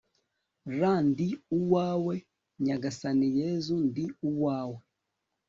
r/ndi uwawe nyagasani yezu, ndi uwawe